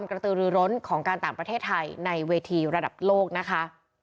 กระตือรือร้นของการต่างประเทศในเวทีระดับโลกนะคะ